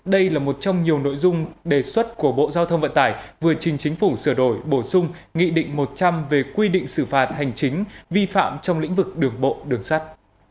đây là một trong nhiều nội dung đề xuất của bộ giao thông vận tải vừa trình chính phủ sửa đổi bổ sung nghị định một trăm linh về quy định xử phạt hành chính vi phạm trong lĩnh vực đường bộ đường sắt